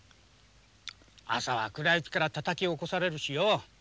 朝は暗いうちからたたき起こされるしよ。